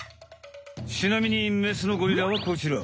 ちなみにメスのゴリラはこちら。